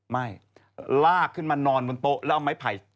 ไม่ลากขึ้นมานอนบนโต๊ะแล้วเอาไม้ไผ่